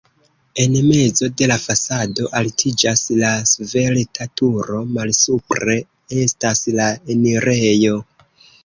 En mezo de la fasado altiĝas la svelta turo, malsupre estas la enirejo.